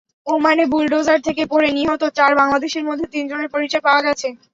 ওমানে বুলডোজার থেকে পড়ে নিহত চার বাংলাদেশির মধ্যে তিনজনের পরিচয় পাওয়া গেছে।